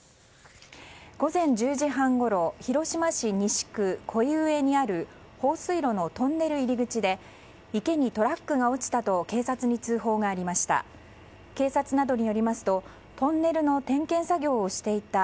午前１０時半ごろ広島市西区己斐上にある放水路のトンネル入り口で池にトラックが落ちたと警察に通報がありました。